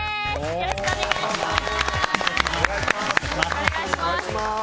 よろしくお願いします。